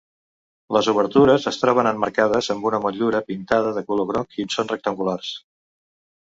Les obertures es troben emmarcades amb una motllura pintada de color groc i són rectangulars.